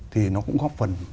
thì nó cũng góp phần